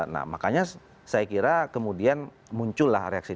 nah makanya saya kira kemudian muncullah reaksi